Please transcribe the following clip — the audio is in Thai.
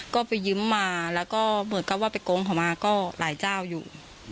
ก็ไปยืมมาแล้วก็เหมือนกับว่าไปโกงเขามาก็หลายเจ้าอยู่